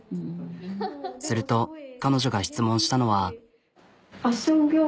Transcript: すると彼女が質問したのは。